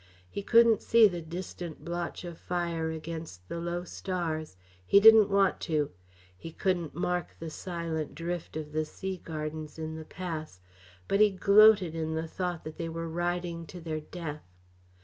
He couldn't see the distant blotch of fire against the low stars he didn't want to. He couldn't mark the silent drift of the sea gardens in the pass, but he gloated in the thought that they were riding to their death.